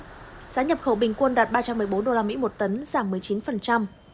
giá nhập khẩu bình quân đạt ba trăm một mươi bốn usd một tấn giảm một mươi chín